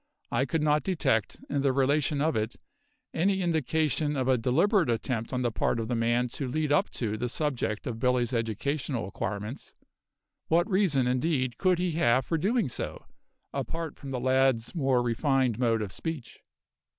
I could not detect in the relation of it any indication of a deliberate attempt on the part of the man to lead up to the subject of Billy's educational acquirements; what reason, indeed, could he have for doing so, apart from the lad's more refined mode of speech?